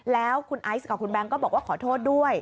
แล้วคุณไอซ์กับคุณแบงค์ก็บอกว่าขอโทษด้วย